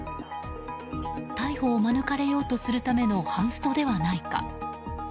逮捕を免れようとするためのハンストではないか。